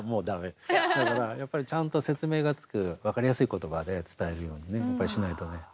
だからやっぱりちゃんと説明がつく分かりやすい言葉で伝えるようにやっぱりしないとね。